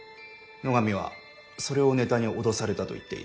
野上はそれをネタに脅されたと言っている。